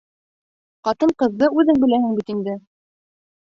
Ҡатын-ҡыҙҙы үҙең беләһең бит инде.